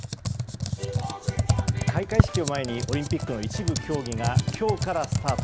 開会式を前にオリンピックの一部競技が今日からスタート。